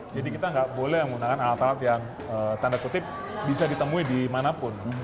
jadi kita nggak boleh menggunakan alat alat yang tanda kutip bisa ditemui di mana pun